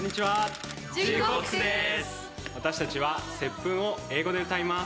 私たちは『接吻』を英語で歌います。